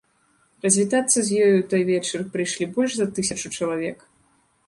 Развітацца з ёю ў той вечар прыйшлі больш за тысячу чалавек.